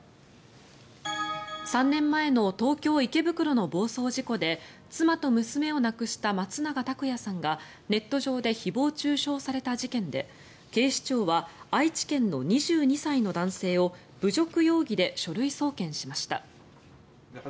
３年前の東京・池袋の暴走事故で妻と娘を亡くした松永拓也さんがネット上で誹謗・中傷された事件で警視庁は愛知県の２２歳の男性を侮辱容疑で書類送検しました。